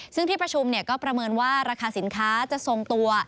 ซึ่งที่ประชุมก็ประเมินว่าราคาสินค้าจะทรงตัว